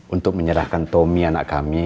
untuk menyerahkan tommy anak kami